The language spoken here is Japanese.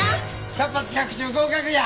百発百中合格や！